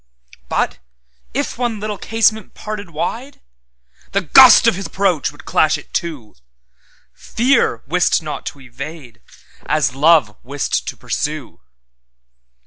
But, if one little casement parted wide, The gust of His approach would clash it to. Fear wist not to evade, as Love wist to pursue.